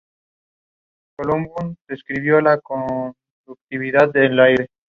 Ambos viven con sus respectivas familias en Miami.